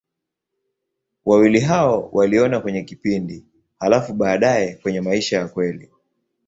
Wawili hao waliona kwenye kipindi, halafu baadaye kwenye maisha ya kweli.